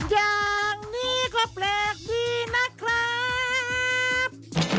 อย่างนี้ก็แปลกดีนะครับ